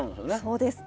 そうです。